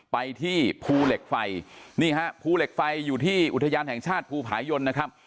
ไปที่ภูเหล็กไฟนี่ฮะภูเหล็กไฟอยู่ที่อุทยานแห่งชาติภูผายนนะครับ